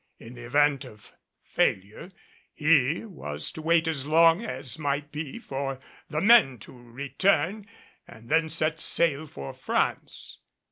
In the event of failure he was to wait as long as might be for the men to return and then set sail for France.